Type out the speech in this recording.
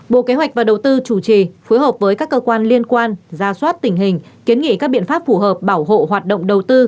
bộ kế hoạch và đầu tư chủ trì phối hợp với các cơ quan liên quan ra soát tình hình kiến nghị các biện pháp phù hợp bảo hộ hoạt động đầu tư